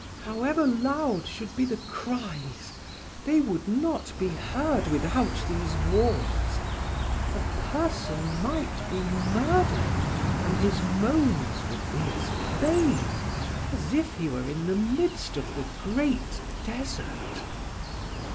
However loud should be the cries, they would not be heard without these walls. A person might be murdered, and his moans would be as vain as if he were in the midst of the great desert."